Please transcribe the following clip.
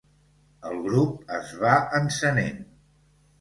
El grup es va encenent.